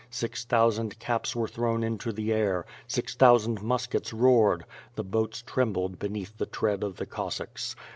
Six thousand caps were thrown into the air, six thousand muskets roared, the boats trembled beneath the tread of the Cossacks.